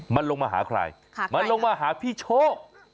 มันลงมาหาใครมันลงมาหาพี่โชค